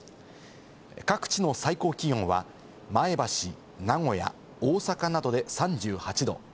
各地の最高気温は前橋、名古屋、大阪などで３８度。